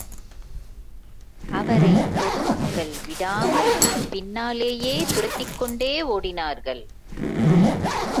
அவரைப் பொதுமக்கள் விடாமல் பின்னாலேயே துரத்திக் கொண்டே ஓடினார்கள்.